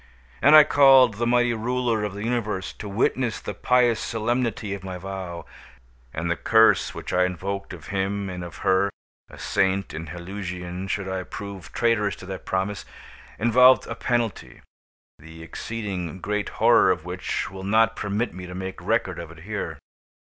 And I called the Mighty Ruler of the Universe to witness the pious solemnity of my vow. And the curse which I invoked of Him and of her, a saint in Helusion should I prove traitorous to that promise, involved a penalty the exceeding great horror of which will not permit me to make record of it here.